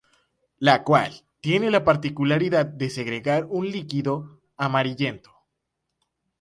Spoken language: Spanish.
La cual tiene la particularidad de segregar un líquido amarillento.